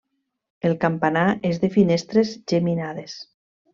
El campanar és de finestres geminades.